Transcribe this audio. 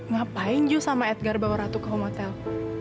ngapain jok sama edgar bawa ratu ke homotel